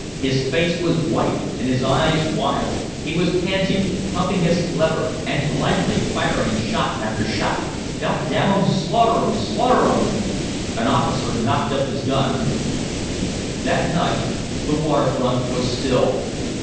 His face was white and his eyes wild, he was panting, pumping his lever and blindly firing shot after shot. "God damn 'em, slaughter 'em, slaughter 'em!" An officer knocked up his gun. That night the waterfront was still.